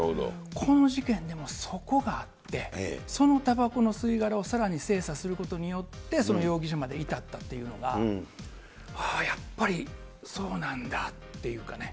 この事件でも、そこがあって、そのたばこの吸い殻をさらに精査することによって、その容疑者まで至ったというのが、ああやっぱりそうなんだっていうかね。